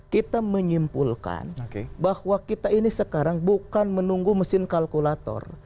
kita menyimpulkan bahwa kita ini sekarang bukan menunggu mesin kalkulator